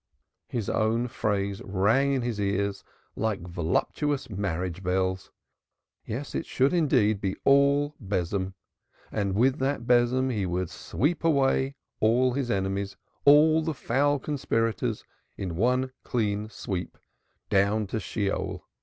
His own phrase rang in his ears like voluptuous marriage bells. Yes, it should, indeed, be all besom. With that besom he would sweep all his enemies all the foul conspirators in one clean sweep, down, down to Sheol.